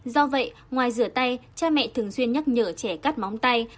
do vậy ngoài rửa tay cha mẹ thường xuyên nhắc nhở trẻ cắt móng tay